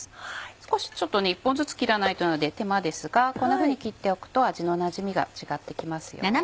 少し一本ずつ切らないとなので手間ですがこんなふうに切っておくと味のなじみが違ってきます。